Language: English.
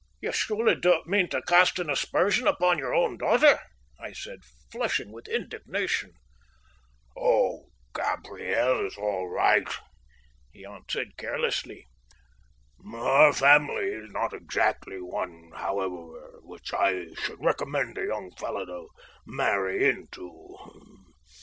"You surely don't mean to cast an aspersion upon your own daughter?" I said, flushing with indignation. "Oh, Gabriel is all right," he answered carelessly. "Our family is not exactly one, however, which I should recommend a young fellow to marry into.